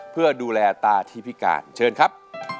เพื่อดูแลตาที่พิการเชิญครับ